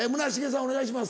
お願いします。